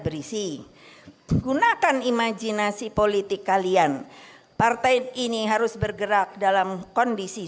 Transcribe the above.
berisi gunakan imajinasi politik kalian partai ini harus bergerak dalam kondisi